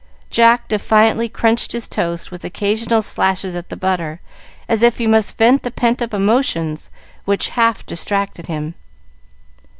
Jack defiantly crunched his toast, with occasional slashes at the butter, as if he must vent the pent up emotions which half distracted him.